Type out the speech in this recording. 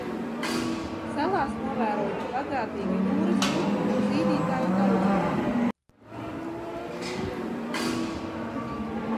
Salās novērojama bagātīga jūrasputnu un zīdītāju daudzveidība.